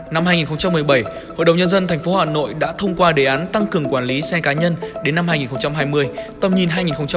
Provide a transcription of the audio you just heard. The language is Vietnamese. năm hai nghìn một mươi bảy hội đồng nhân dân tp hà nội đã thông qua đề án tăng cường quản lý xe cá nhân đến năm hai nghìn hai mươi tầm nhìn hai nghìn ba mươi